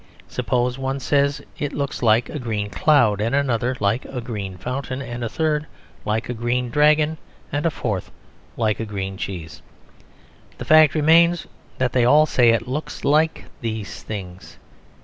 Suppose one says it looks like a green cloud and another like a green fountain, and a third like a green dragon and the fourth like a green cheese. The fact remains: that they all say it looks like these things.